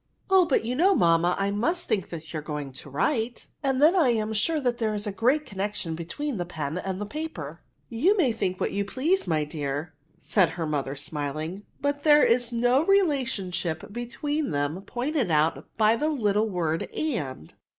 ^' Oh, but you know, mamma, I must think you are going to write, and then I am sure there is a great connection between the pen and the paper.'* '^Tou may think what you please, my dear,'' said her mother, smiling, '* but there is no relationship between them pointed out by the little word and.